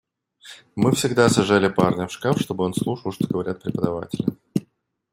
Мы всегда сажали парня в шкаф, чтобы он слушал, что говорят преподаватели.